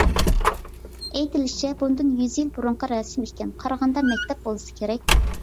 ئېيتىلىشىچە، بۇندىن يۈز يىل بۇرۇنقى رەسىم ئىكەن. قارىغاندا مەكتەپ بولسا كېرەك.